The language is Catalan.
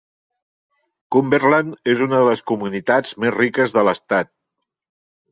Cumberland és una de les comunitats més riques de l'estat.